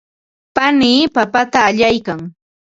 panii papata allaykan.